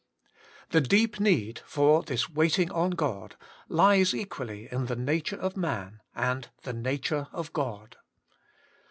The deep need for this waiting on God lies equally in the nature of man and the nature of God.